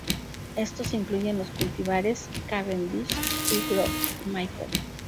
Estos incluyen los cultivares 'Cavendish' y 'Gros Michel'.